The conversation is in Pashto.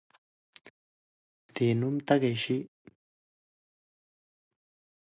د نوم تږی شي.